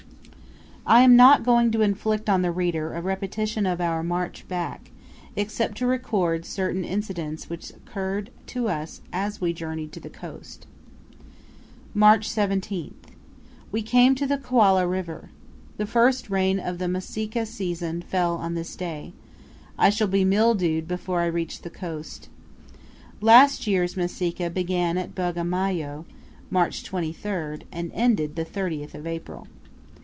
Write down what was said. I am not going to inflict on the reader a repetition of our march back, except to record certain incidents which occurred to us as we journeyed to the coast. March 17th. We came to the Kwalah River. The first rain of the Masika season fell on this day; I shall be mildewed before I reach the coast. Last year's Masika began at Bagamoyo, March 23rd, and ended 30th April.